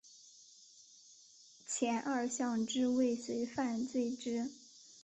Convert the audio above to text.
前二项之未遂犯罚之。